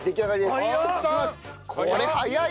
これ早いよ！